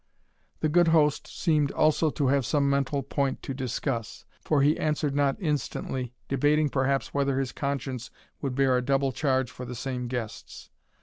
The good host seemed also to have some mental point to discuss, for he answered not instantly, debating perhaps whether his conscience would bear a double charge for the same guests.